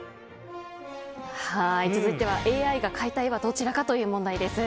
続いてはＡＩが描いた絵はどちらかという問題です。